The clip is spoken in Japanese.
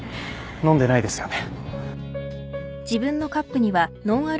飲んでないですよね？